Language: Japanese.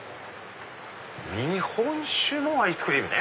日本酒のアイスクリームね！